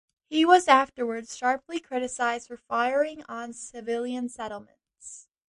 He was afterwards sharply criticized for firing on civilian settlements.